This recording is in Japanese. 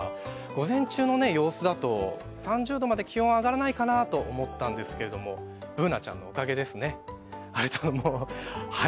午前中の様子だと、３０度まで気温が上がらないかなと思ったんですけれどもＢｏｏｎａちゃんのおかげですね、晴れたのも。